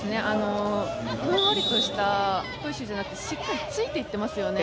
ふんわりとしたプッシュじゃなくてしっかりついていってますよね。